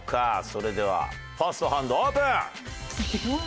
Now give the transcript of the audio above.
それではファーストハンドオープン！